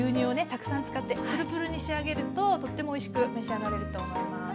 たくさん使ってプルプルに仕上げるととってもおいしく召し上がれると思います。